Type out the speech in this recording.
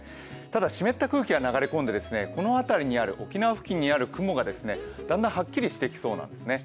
ただ、湿った空気が流れ込んで沖縄付近にある雲がだんだんはっきりしてきそうなんですね。